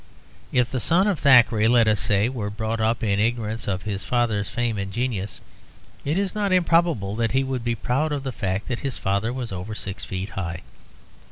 If the son of Thackeray, let us say, were brought up in ignorance of his father's fame and genius, it is not improbable that he would be proud of the fact that his father was over six feet high.